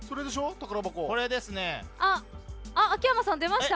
秋山さん、出ました？